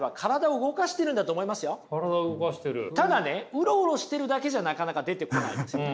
ただねウロウロしてるだけじゃなかなか出てこないですよね。